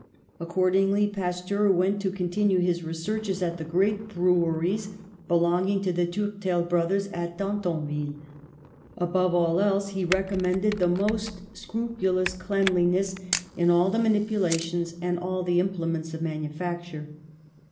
Accordingly, Pasteur went to continue his re searches at the great breweries belonging to the Tourtel brothers at Tantonville. Above all else, he recommended the most scrupulous cleanli ness in all the manipulations and all the imple ments of manufacture.